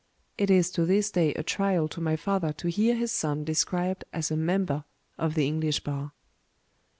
It is to this day a trial to my father to hear his son described as a member of the English bar.